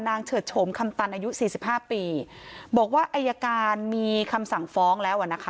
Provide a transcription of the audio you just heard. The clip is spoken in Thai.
เฉิดโฉมคำตันอายุสี่สิบห้าปีบอกว่าอายการมีคำสั่งฟ้องแล้วอ่ะนะคะ